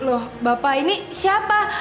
loh bapak ini siapa